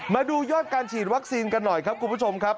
มาดูยอดการฉีดวัคซีนกันหน่อยครับคุณผู้ชมครับ